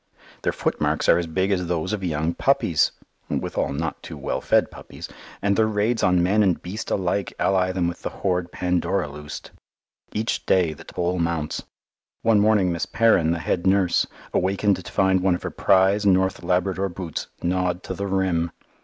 Their footmarks are as big as those of young puppies (withal not too well fed puppies), and their raids on man and beast alike ally them with the horde Pandora loosed. Each day the toll mounts. One morning Miss Perrin, the head nurse, awakened to find one of her prize North Labrador boots gnawed to the rim.